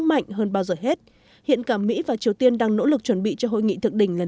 mạnh hơn bao giờ hết hiện cả mỹ và triều tiên đang nỗ lực chuẩn bị cho hội nghị thượng đỉnh lần